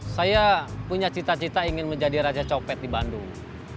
saya punya cita cita ingin menjadi raja copet di bandung